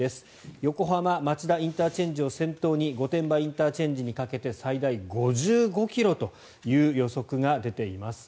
横浜町田ＩＣを先頭に御殿場ＩＣにかけて最大５５ｋｍという予測が出ています。